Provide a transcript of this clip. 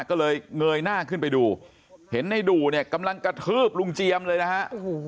ก็เลยเงยหน้าขึ้นไปดูเห็นในดู่เนี่ยกำลังกระทืบลุงเจียมเลยนะฮะ